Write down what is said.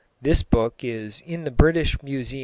This book is in the British Museum.